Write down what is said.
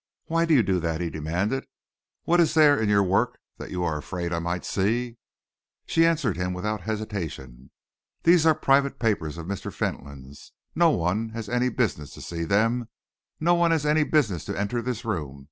"Why do you do that?" he demanded. "What is there in your work that you are afraid I might see?" She answered him without hesitation. "These are private papers of Mr. Fentolin's. No one has any business to see them. No one has any business to enter this room.